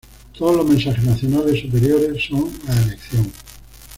Todos los mensajes nacionales superiores son a elección.